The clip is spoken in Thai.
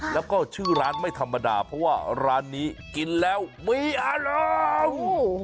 แล้วก็ชื่อร้านไม่ธรรมดาเพราะว่าร้านนี้กินแล้วมีอารมณ์